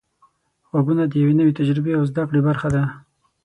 غږونه د یوې نوې تجربې او زده کړې برخه ده.